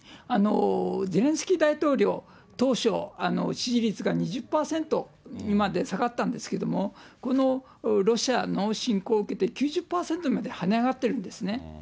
ゼレンスキー大統領、当初、支持率が２０％まで下がったんですけど、このロシアの侵攻を受けて９０％まではね上がってるんですね。